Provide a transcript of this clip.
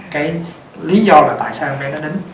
cái lý do là tại sao mẹ nó nín